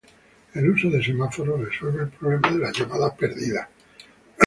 El uso de semáforos resuelve el problema de las llamadas perdidas.